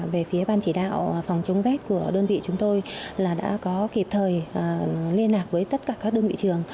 về phía ban chỉ đạo phòng chống rét của đơn vị chúng tôi là đã có kịp thời liên lạc với tất cả các đơn vị trường